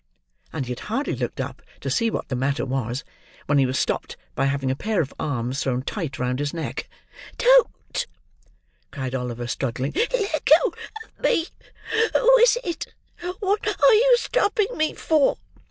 And he had hardly looked up, to see what the matter was, when he was stopped by having a pair of arms thrown tight round his neck. "Don't," cried Oliver, struggling. "Let go of me. Who is it? What are you stopping me for?"